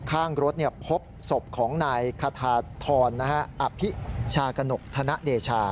ข้างรถพบศพของนายคาธาทรอภิชากนกธนเดชา